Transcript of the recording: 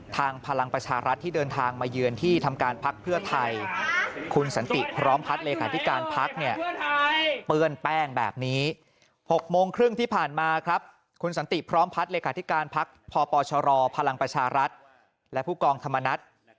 ที่การพักพปชรพลังประชารัฐและผู้กองธรรมนัฐ